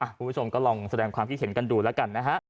คุณผู้ชมก็ลองแสดงความคิดเห็นกันดูแล้วกันนะฮะ